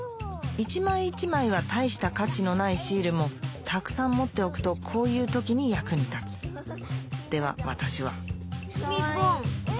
一枚一枚は大した価値のないシールもたくさん持っておくとこういう時に役に立つでは私はみーぽん。